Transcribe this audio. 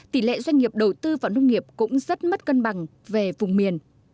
tỷ lệ doanh nghiệp đầu tư vào nông nghiệp cũng rất mất cân bằng về vùng miền